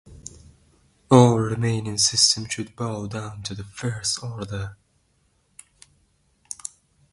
London Central operates five bus garages.